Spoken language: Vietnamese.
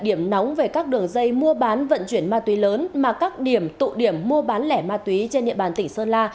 điểm nóng về các đường dây mua bán vận chuyển ma túy lớn mà các điểm tụ điểm mua bán lẻ ma túy trên địa bàn tỉnh sơn la